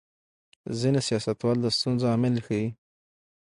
ځینې سیاستوال د ستونزو عامل ښيي.